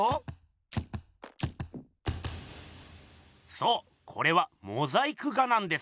そうこれはモザイク画なんです。